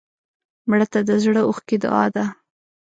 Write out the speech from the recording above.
مړه ته د زړه اوښکې دعا ده